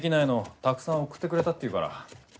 たくさん送ってくれたって言うから。